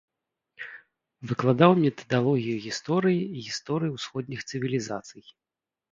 Выкладаў метадалогію гісторыі і гісторыю ўсходніх цывілізацый.